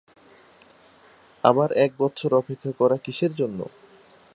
আবার এক বৎসর অপেক্ষা করা কিসের জন্য?